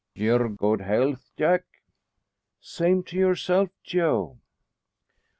"Yer good health, Jack." "Same to yerself, Joe."